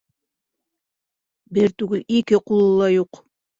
Бер түгел, ике ҡулы ла юҡ.